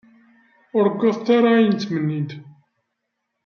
Ur wwiḍent ara ayen i ttmennint.